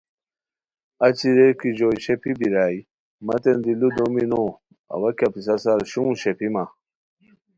اچی ریر کی ژوئے شیپھی بیرائے، متین دی لُودومی نو، اوا کیہ پِسہ سار شوم شیپھیما